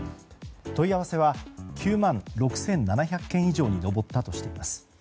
問い合わせは９万６７００件以上に上ったとしています。